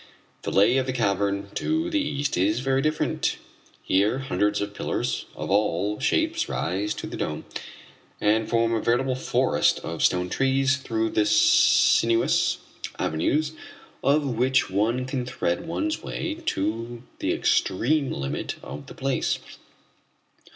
The lay of the cavern to the east is very different. Here hundreds of pillars of all shapes rise to the dome, and form a veritable forest of stone trees through the sinuous avenues of which one can thread one's way to the extreme limit of the place.